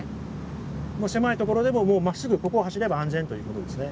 狭い所でもまっすぐここを走れば安全という事ですね。